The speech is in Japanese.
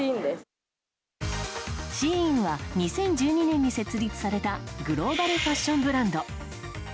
ＳＨＥＩＮは２０１２年に設立されたグローバルファッションブランド。